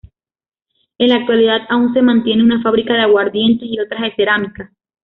En la actualidad aún se mantiene una fábrica de aguardientes y otra de cerámica.